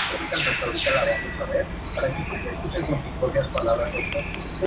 De origen británico, su importancia histórica radica en la larga tradición que acumula.